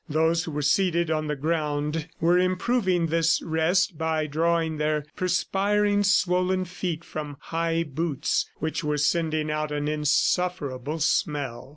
Those who were seated on the ground were improving this rest by drawing their perspiring, swollen feet from high boots which were sending out an insufferable smell.